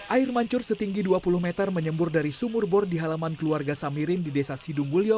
air mancur setinggi dua puluh meter menyembur dari sumur bor di halaman keluarga samirin di desa sidung mulyo